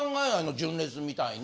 純烈みたいに。